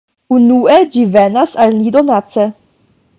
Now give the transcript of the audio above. Unue, ĝi venas al ni donace.